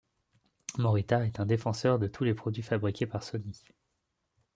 Morita est un défenseur de tous les produits fabriqués par Sony.